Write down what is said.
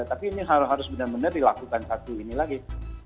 tapi ini harus benar benar dilakukan satu ini lagi